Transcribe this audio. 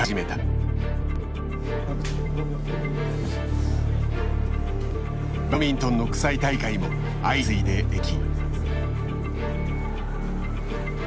バドミントンの国際大会も相次いで延期。